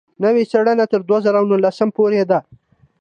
نوې څېړنه تر دوه زره نولسم پورې ده.